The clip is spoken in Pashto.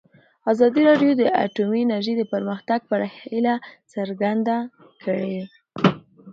ازادي راډیو د اټومي انرژي د پرمختګ په اړه هیله څرګنده کړې.